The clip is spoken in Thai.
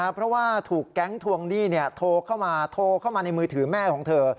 เพราะว่าถูกแก๊งทวงหนี้โทรเข้ามาโทรเข้ามาในมือถือแม่ของเธอ